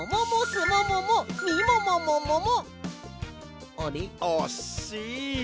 もももすもももみももももも！